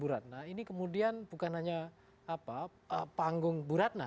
bu ratna ini kemudian bukan hanya panggung bu ratna